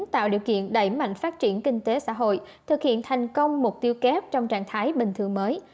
tạo điều kiện đẩy mạnh phát triển kinh tế xã hội thực hiện thành công mục tiêu kép trong trạng thái bình thường mới